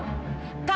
kamila bukan andara